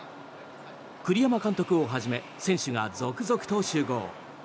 栗山監督をはじめ選手が続々と集合。